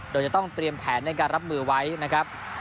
โดยจะต้องเตรียมแผนในการรับมือไว้นะครับ